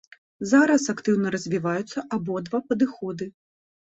Зараз актыўна развіваюцца абодва падыходы.